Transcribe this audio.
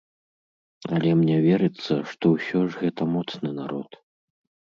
Але мне верыцца, што ўсё ж гэта моцны народ.